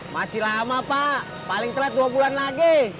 masih lama pak paling telat dua bulan lagi